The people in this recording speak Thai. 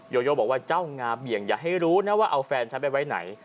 โยโยบอกว่าเจ้างาเบี่ยงอย่าให้รู้นะว่าเอาแฟนฉันไปไว้ไหน